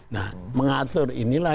nah mengatur inilah